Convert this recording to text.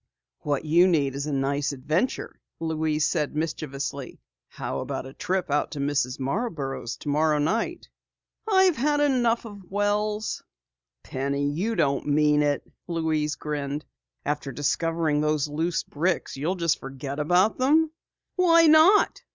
"What you need is a nice adventure," Louise said mischievously. "How about a trip out to Mrs. Marborough's tomorrow night?" "I've had enough of wells!" "Penny, you don't mean it!" Louise grinned. "After discovering those loose bricks, you'll just forget about them?" "Why not?"